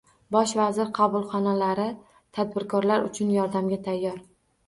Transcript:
Bosh vazir qabulxonalari tadbirkorlar uchun yordamga tayyor